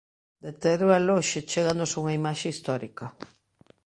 De Teruel hoxe chéganos unha imaxe histórica.